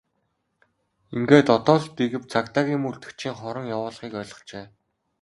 Ингээд одоо л нэг юм цагдаагийн мөрдөгчийн хорон явуулгыг ойлгожээ!